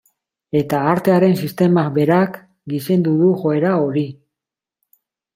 Eta artearen sistemak berak gizendu du joera hori.